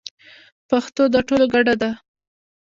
پښتو د ټولو ګډه ده.